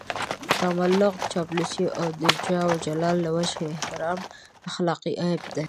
تملق، چاپلوسي او د جاه و جلال له وجهې احترام اخلاقي عيب دی.